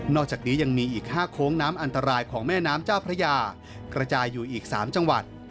อกจากนี้ยังมีอีก๕โค้งน้ำอันตรายของแม่น้ำเจ้าพระยากระจายอยู่อีก๓จังหวัด